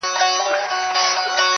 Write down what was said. پر نیم ولس مو بنده چي د علم دروازه وي,